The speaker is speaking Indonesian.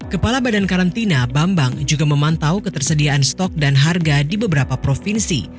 kepala badan karantina bambang juga memantau ketersediaan stok dan harga di beberapa provinsi